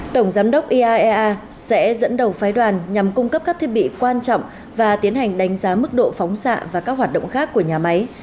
tổng giám đốc iaea sẽ dẫn đầu phái đoàn nhằm cung cấp các thiết bị quan trọng và tiến hành đánh giá mức độ phóng xạ và các hoạt động khác của nhà máy